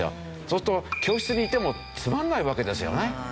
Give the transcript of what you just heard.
そうすると教室にいてもつまらないわけですよね。